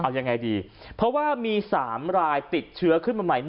เอายังไงดีเพราะว่ามี๓รายติดเชื้อขึ้นมาใหม่